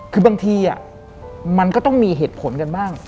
คือบางทีมันก็ต้องมีเหตุผลกันบ้าง